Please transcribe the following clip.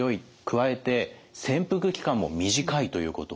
加えて潜伏期間も短いということ。